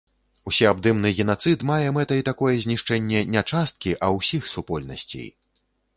Усеабдымны генацыд мае мэтай такое знішчэнне не часткі, а ўсіх супольнасцей.